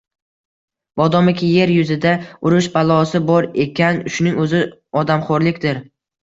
Modomiki, yer yuzida urush balosi bor ekan, shuning o’zi odamxo’rlikdir.